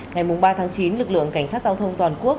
ngày ba tháng chín lực lượng cảnh sát giao thông toàn quốc